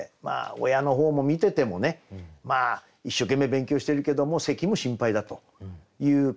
親の方も見ててもね一生懸命勉強してるけども咳も心配だという感じでしょうね。